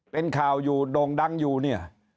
เป็นข่าวอยู่โด่งดังอยู่เนี่ย